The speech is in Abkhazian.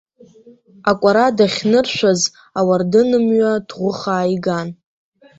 Акәара дахьныршәаз, ауардынымҩа ҭӷәыхаа иган.